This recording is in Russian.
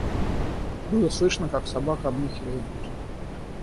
Было слышно, как собака обнюхивала дверь.